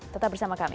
tetap bersama kami